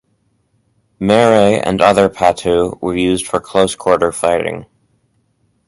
Mere, and other patu, were used for close-quarter fighting.